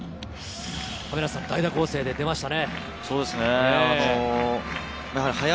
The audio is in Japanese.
原監督が代打攻勢で出ましたね。